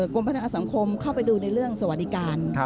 กรมพัฒนาสังคมเข้าไปดูในเรื่องสวัสดิการ